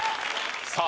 さあ